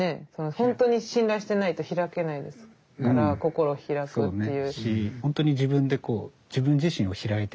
本当に信頼してないと開けないですから心を開くっていう。